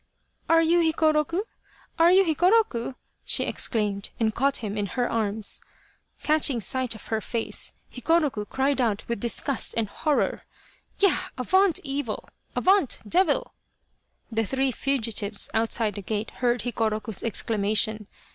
" Are you Hikoroku ? Are you Hikoroku ?" she exclaimed, and caught him in her arms. Catching sight of her face, Hikoroku cried out with disgust and horror. " Ya ! Avaunt evil ! Avaunt devil !" The three fugitives outside the gate heard Hiko roku's exclamation.